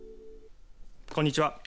こんにちは。